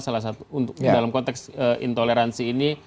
salah satu untuk dalam konteks intoleransi ini